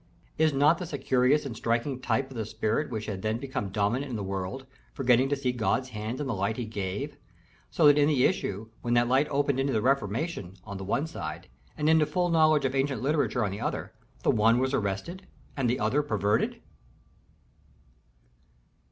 _ Is not this a curious and striking type of the spirit which had then become dominant in the world, forgetting to see God's hand in the light He gave; so that in the issue, when that light opened into the Reformation, on the one side, and into full knowledge of ancient literature on the other, the one was arrested and the other perverted?